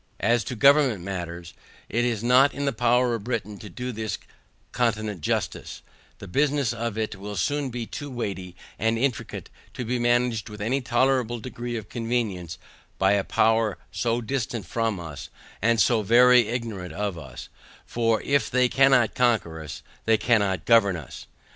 As to government matters, it is not in the power of Britain to do this continent justice: The business of it will soon be too weighty, and intricate, to be managed with any tolerable degree of convenience, by a power, so distant from us, and so very ignorant of us; for if they cannot conquer us, they cannot govern us.